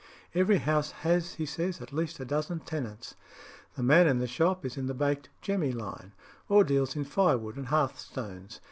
Every house has, he says, at least a dozen tenants. The man in the shop is in the "baked jemmy" line, or deals in firewood and hearthstones.